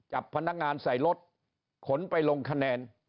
จับพนักงานใส่รถขนไปลงคะแนน